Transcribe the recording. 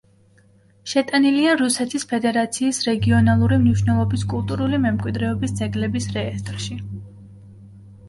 შეტანილია რუსეთის ფედერაციის რეგიონალური მნიშვნელობის კულტურული მემკვიდრეობის ძეგლების რეესტრში.